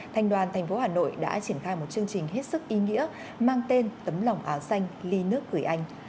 thanh đoàn tp hà nội đã triển khai một chương trình hết sức ý nghĩa mang tên tấm lòng áo xanh ly nước gửi anh